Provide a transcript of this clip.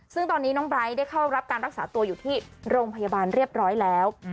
ซึ่งตอนนี้น้องไลท์ได้เข้ารับการรักษาตัวอยู่ที่โรงพยาบาลเรียบร้อยแล้ว